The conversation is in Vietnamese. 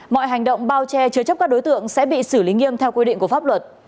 mọi hành động bao che chứa chấp các đối tượng sẽ bị xử lý nghiêm theo quy định của pháp luật